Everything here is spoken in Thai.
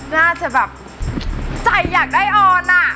น่าจะแบบใจอยากได้ออนอ่ะ